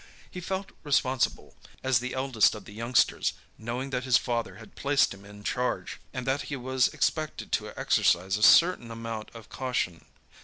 He felt responsible, as the eldest of the youngsters, knowing that his father had placed him in charge, and that he was expected to exercise a certain amount of caution.